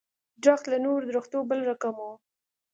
درخت له نورو درختو بل رقم و.